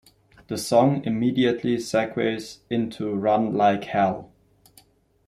The song immediately segues into "Run Like Hell".